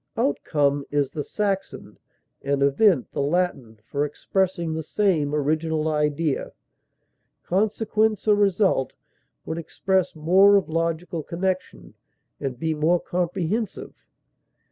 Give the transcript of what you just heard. Outcome is the Saxon, and event the Latin for expressing the same original idea. Consequence or result would express more of logical connection, and be more comprehensive.